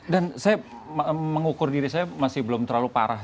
dan saya mengukur diri saya masih belum terlalu parah